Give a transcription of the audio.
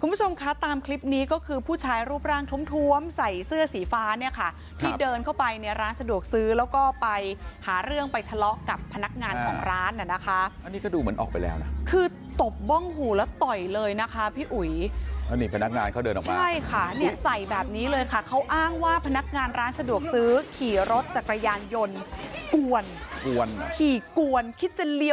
คุณผู้ชมคะตามคลิปนี้ก็คือผู้ชายรูปร่างท้มท้วมใส่เสื้อสีฟ้าเนี่ยค่ะที่เดินเข้าไปในร้านสะดวกซื้อแล้วก็ไปหาเรื่องไปทะเลาะกับพนักงานของร้านน่ะนะคะอันนี้ก็ดูเหมือนออกไปแล้วนะคือตบบ้องหูแล้วต่อยเลยนะคะพี่อุ๋ยแล้วนี่พนักงานเขาเดินออกมาใช่ค่ะเนี่ยใส่แบบนี้เลยค่ะเขาอ้างว่าพนักงานร้านสะดวกซื้อขี่รถจักรยานยนต์กวนกวนขี่กวนคิดจะเลี้ย